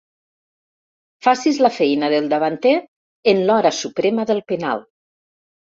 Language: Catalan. Facis la feina del davanter en l'hora suprema del penal.